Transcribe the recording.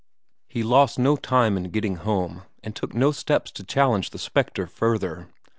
He lost no time in getting home, and took no steps to challenge the spectre further.